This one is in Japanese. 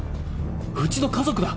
うちの家族だ！